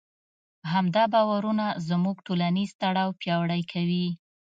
همدا باورونه زموږ ټولنیز تړاو پیاوړی کوي.